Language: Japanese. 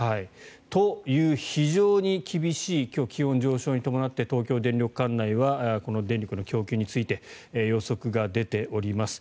という非常に厳しい今日は気温上昇に伴って東京電力管内はこの電力の供給についての予測が出ております。